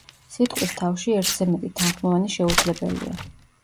სიტყვის თავში ერთზე მეტი თანხმოვანი შეუძლებელია.